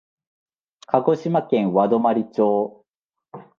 鹿児島県和泊町